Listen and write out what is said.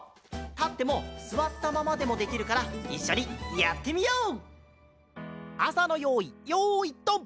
たってもすわったままでもできるからいっしょにやってみよう！